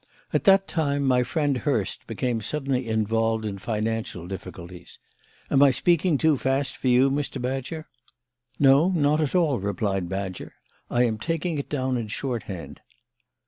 At that time my friend Hurst became suddenly involved in financial difficulties am I speaking too fast for you, Mr. Badger?" "No, not at all," replied Badger. "I am taking it down in shorthand."